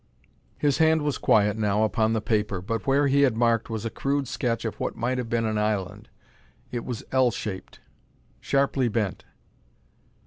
His hand was quiet now upon the paper, but where he had marked was a crude sketch of what might have been an island. It was "L" shaped; sharply bent.